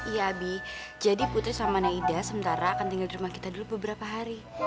iya abi jadi putri sama naida sementara akan tinggal di rumah kita dulu beberapa hari